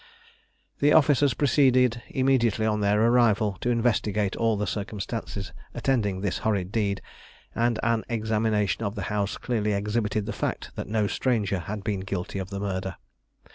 The officers proceeded, immediately on their arrival, to investigate all the circumstances attending this horrid deed, and an examination of the house clearly exhibited the fact that no stranger had been guilty of the murder.